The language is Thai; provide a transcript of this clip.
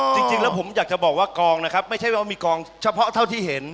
จริงแล้วผมอยากจะบอกว่ากองนะครับไม่ใช่ว่ามีกองเฉพาะเท่าที่เห็น